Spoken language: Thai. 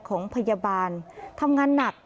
ของพยาบาลทำงานหนัก